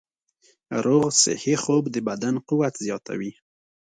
روغ صحي خوب د بدن قوت زیاتوي.